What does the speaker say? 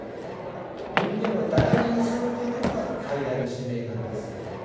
人間を大事にするということが最大の使命なんですよ。